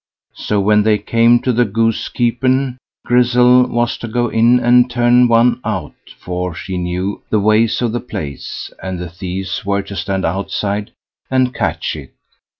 So when they came to the goosepen, Grizzel was to go in and turn one out, for she knew the ways of the place, and the thieves were to stand outside and catch it.